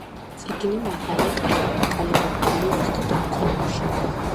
წიგნი მაღალი კალიგრაფიული ოსტატობის ნიმუშია.